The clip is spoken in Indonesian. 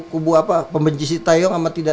kubu apa pembenci si taeyong sama